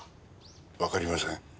わかりません。